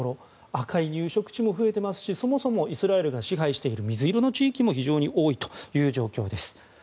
赤い入植地も増えていますしそもそもイスラエルが支配している地域も多いということです。